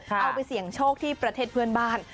เอาไปเสี่ยงโชคที่ประเทศเพื่อนบ้าน